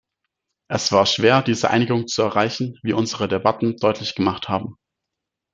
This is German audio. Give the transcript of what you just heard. Es war schwer, diese Einigung zu erreichen, wie unsere Debatten deutlich gemacht haben.